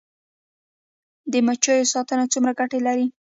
د مچیو ساتنه څومره ګټه لري؟